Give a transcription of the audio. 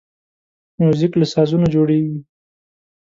موزیک له سازونو جوړیږي.